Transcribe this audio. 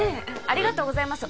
ありがとうございます